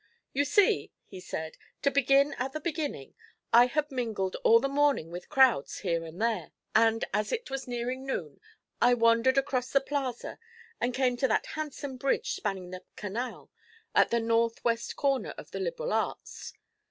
'You see,' he said, 'to begin at the beginning, I had mingled all the morning with crowds here and there, and as it was nearing noon I wandered across the Plaza and came to that handsome bridge spanning the canal at the north west corner of the Liberal Arts.